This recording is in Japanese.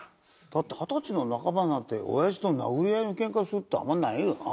だって二十歳の半ばになって親父と殴り合いのケンカするってあんまないよな？